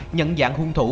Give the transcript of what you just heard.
nhận dạng hung thủ